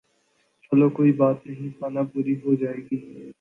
چلو کوئی بات نہیں خانہ پوری ھو جاے گی